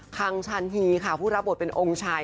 ังชันฮีค่ะผู้รับบทเป็นองค์ชาย